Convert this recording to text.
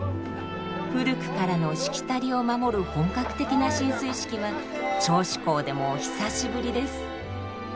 古くからのしきたりを守る本格的な進水式は銚子港でも久しぶりです。